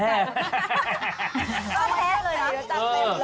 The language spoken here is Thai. ก็แพ้เลยนะ